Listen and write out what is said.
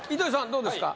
どうですか？